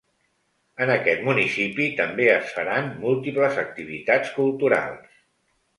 En aquest municipi també es faran múltiples activitats culturals.